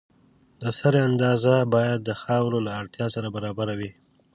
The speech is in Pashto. د سرې اندازه باید د خاورې له اړتیا سره برابره وي.